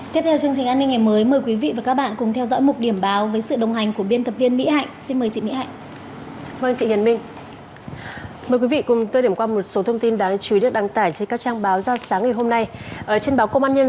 tiếp theo chương trình an ninh ngày mới mời quý vị và các bạn cùng theo dõi một điểm báo với sự đồng hành của biên tập viên mỹ hạnh xin mời chị mỹ hạnh